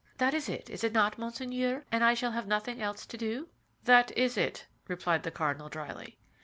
That is it, is it not, monseigneur, and I shall have nothing else to do?" "That is it," replied the cardinal, dryly.